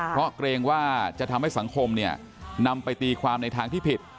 เพราะเกรงว่าจะทำให้สังคมนำไปตีความในทางที่ผิด